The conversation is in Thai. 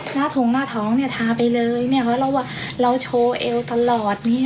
หน้าถุงหน้าท้องเนี่ยทาไปเลยเนี่ยเพราะว่าเราโชว์เอวตลอดเนี่ย